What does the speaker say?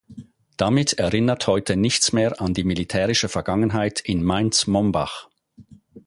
Damit erinnert heute nichts mehr an die militärische Vergangenheit in Mainz-Mombach.